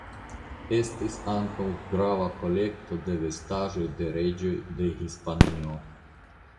Estis ankaŭ grava kolekto de vestaĵoj de reĝoj de Hispanio.